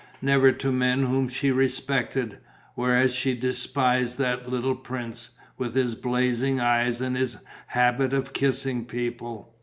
Never to men whom she respected. Whereas she despised that little prince, with his blazing eyes and his habit of kissing people....